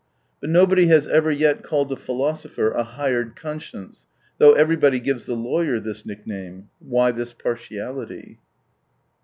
But nobody has ever yet called a philosopher " a hired conscience," though everybody gives the lawyer this nickname. Why this partiality